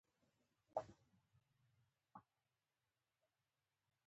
ډېر لږ کسان درلودل.